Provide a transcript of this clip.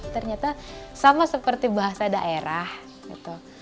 ternyata sama seperti bahasa daerah gitu